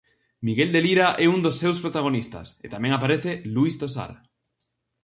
Miguel de Lira é un dos seus protagonistas, e tamén aparece Luís Tosar.